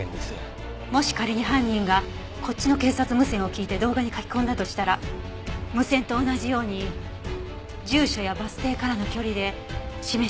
もし仮に犯人がこっちの警察無線を聞いて動画に書き込んだとしたら無線と同じように住所やバス停からの距離で示したはずでしょ？